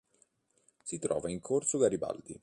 Si trova in Corso Garibaldi.